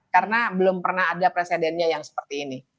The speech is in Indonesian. karena belum pernah ada presidennya yang seperti ini